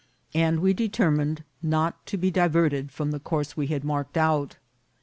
and we determined not to be diverted from the course we had marked out.